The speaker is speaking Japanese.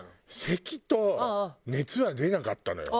せきと熱は出なかったのよ。